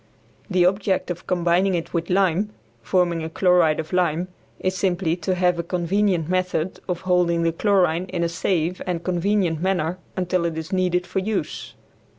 The object of combining it with lime, forming a chloride of lime, is simply to have a convenient method of holding the chlorine in a safe and convenient manner until it is needed for use.